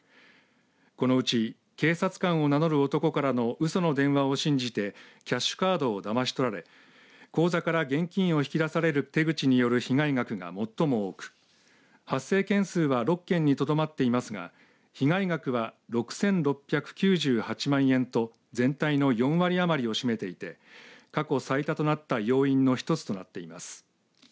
このうち警察官を名乗る男からのうその電話を信じてキャッシュカードをだまし取られ口座から現金を引き出される手口による被害額が最も多く発生件数は６件にとどまっていますが被害額は６６９８万円と前回の４割余りを占めていて過去最多となった要因の一つとなっています。